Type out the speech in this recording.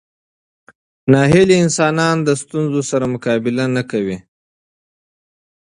ناهیلي انسان د ستونزو سره مقابله نه کوي.